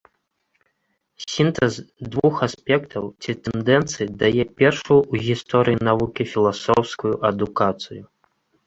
Сінтэз двух аспектаў ці тэндэнцый дае першую ў гісторыі навукі філасофскую адукацыю.